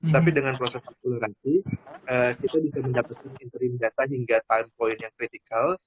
tapi dengan proses akuleransi kita bisa mendapatkan interim data hingga time point yang kritikal